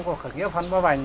của khởi nghĩa phan bá vảnh